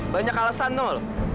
banyak alasan dong lu